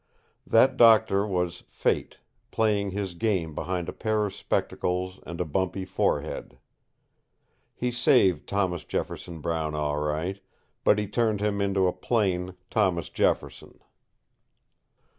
That doctor was Fate, playing his game behind a pair of spectacles and a bumpy forehead. He saved Thomas Jefferson Brown, all right; but he turned him into plain Thomas Jefferson.